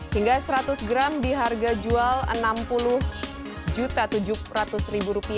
hingga seratus gram di harga jual enam puluh juta tujuh ratus ribu rupiah